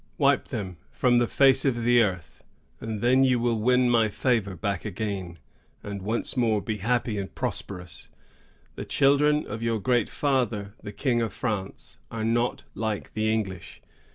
Wipe them from the face of the earth, and then you will win my favor back again, and once more be happy and prosperous. The children of your great father, the King of France, are not like the English.